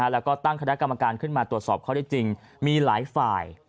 แล้วก็ตั้งคณะกรรมการขึ้นมาตรวจสอบข้อได้จริงมีหลายฝ่าย